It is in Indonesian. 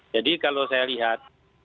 jadi kalau saya lihat